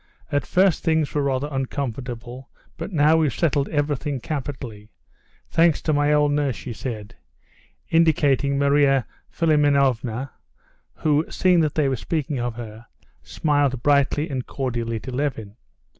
"At first things were rather uncomfortable, but now we've settled everything capitally—thanks to my old nurse," she said, indicating Marya Philimonovna, who, seeing that they were speaking of her, smiled brightly and cordially to Levin.